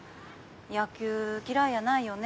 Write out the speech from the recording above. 野球嫌いやないよね